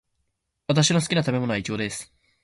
私の好きな食べ物はイチゴです。